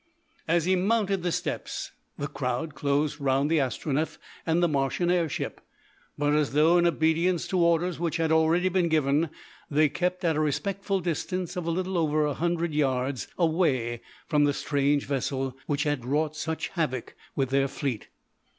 As he mounted the steps the crowd closed round the Astronef and the Martian air ship; but, as though in obedience to orders which had already been given, they kept at a respectful distance of a little over a hundred yards away from the strange vessel which had wrought such havoc with their fleet.